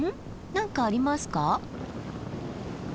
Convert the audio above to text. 何かありますか？